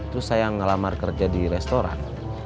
terus saya ngelamar kerja di restoran